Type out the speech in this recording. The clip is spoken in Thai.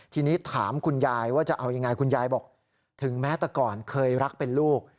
ทีนี้ถามคุณยายว่าจะเอายังไงคุณยายบอกถึงแม้แต่ก่อนเคยรักเป็นลูก